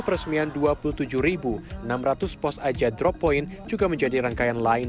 peresmian dua puluh tujuh enam ratus pos aja drop point juga menjadi rangkaian lain